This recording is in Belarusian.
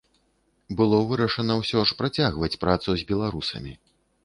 Было вырашана ўсё ж працягваць працу з беларусамі.